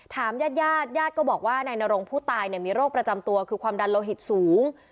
ญาติญาติก็บอกว่านายนรงผู้ตายมีโรคประจำตัวคือความดันโลหิตสูง